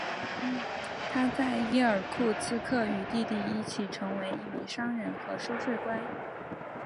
他在伊尔库茨克与弟弟一起成为一名商人和收税官。